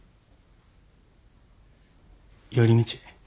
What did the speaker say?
寄り道。